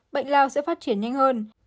bệnh lao sẽ phát triển nhanh hơn